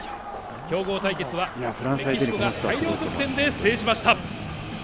強豪対決はメキシコが大量得点で制しました。